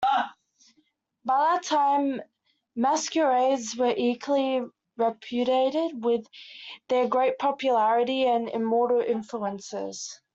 By that time, masquerades were equally reputed for their great popularity and immoral influences.